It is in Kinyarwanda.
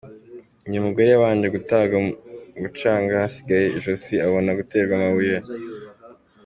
Uyu mugore yabanje gutabwa mu mucanga hasigara ijosi abona guterwa amabuye.